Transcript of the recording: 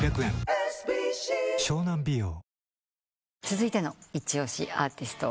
続いてのイチオシアーティスト